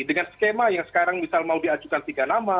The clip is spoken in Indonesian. dengan skema yang sekarang misal mau diajukan tiga nama